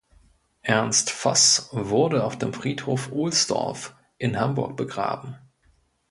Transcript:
Ernst Voss wurde auf dem Friedhof Ohlsdorf in Hamburg begraben.